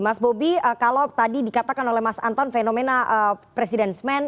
mas bobi kalau tadi dikatakan oleh mas anton fenomena presiden men